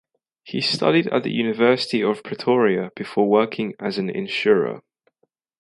He studied at the University of Pretoria before working as an insurer.